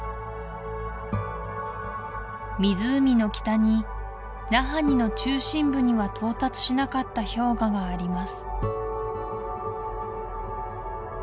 湖の北にナハニの中心部には到達しなかった氷河があります